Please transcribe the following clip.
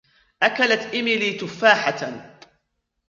أكلت إيميلي تفاحةً.